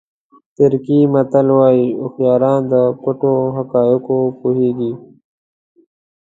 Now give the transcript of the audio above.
ترکي متل وایي هوښیاران د پټو حقایقو پوهېږي.